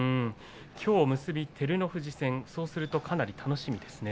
きょう結び照ノ富士戦そうなるとかなり楽しみですね。